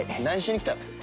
何しに来たん？